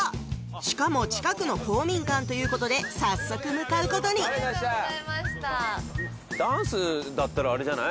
しかも近くの公民館ということで早速向かうことにダンスだったらアレじゃない？